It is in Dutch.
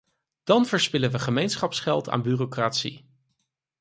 Dan verspillen we gemeenschapsgeld aan bureaucratie.